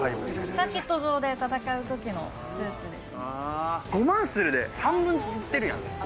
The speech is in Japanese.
サーキット場で戦うときのスーツです。